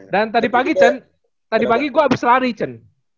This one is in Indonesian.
dan tadi pagi chen tadi pagi gue habis lari chen